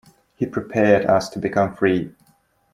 He prepared us to become free.